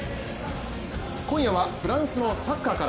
今夜は、フランスのサッカーから。